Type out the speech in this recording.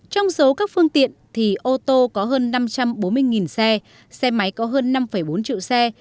trong số các phương tiện thì ô tô có hơn năm trăm bốn mươi xe xe máy có hơn năm bốn triệu xe